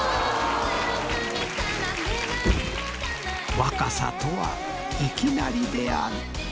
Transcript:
若さとはいきなりである。